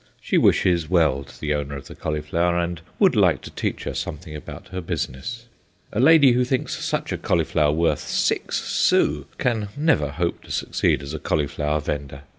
She wishes well to the owner of the cauliflower, and would like to teach her something about her business. A lady who thinks such a cauliflower worth six sous can never hope to succeed as a cauliflower vendor.